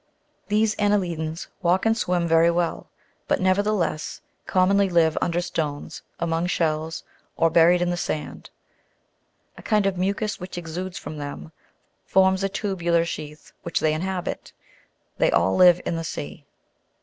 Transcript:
15. These anne'lidans walk and swim very well, but neverthe less, commonly live under stones, among shells, or buried in the sand ; a kind of mucus which exudes from them forms a tubular sheath which they inhabit. They all live in the sea.